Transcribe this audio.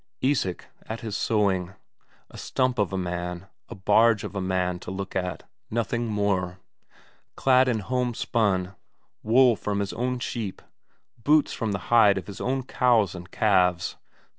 Isak at his sowing; a stump of a man, a barge of a man to look at, nothing more. Clad in homespun wool from his own sheep, boots from the hide of his own cows and calves.